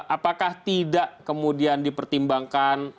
apakah tidak kemudian dipertimbangkan